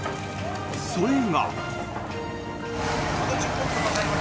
それが。